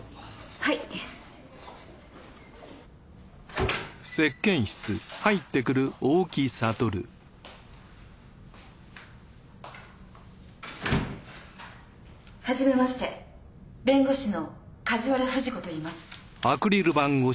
はじめまして弁護士の梶原藤子といいます。